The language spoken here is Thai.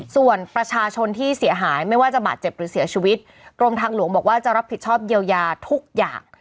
ส่วนประชาชนที่เสียหายไม่ว่าจะบาดเจ็บหรือเสียชีวิตกรมทางหลวงบอกว่าจะรับผิดชอบเยียวยาทุกอย่าง